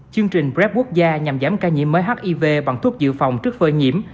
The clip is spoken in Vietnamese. chương trình prep quốc gia nhằm giảm ca nhiễm mới hiv bằng thuốc dự phòng trước phơi nhiễm